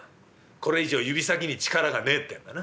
これ以上指先に力がねえってんだな。